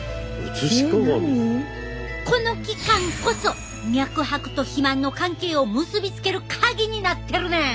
この器官こそ脈拍と肥満の関係を結び付けるカギになってるねん！